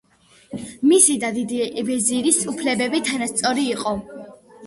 მისი და დიდი ვეზირის უფლებები თანასწორი იყო.